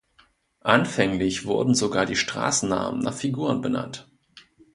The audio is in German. Anfänglich wurden sogar die Straßennamen nach Figuren benannt.